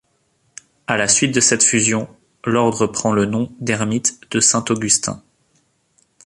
À la suite de cette fusion, l'ordre prend le nom d'ermites de Saint-Augustin.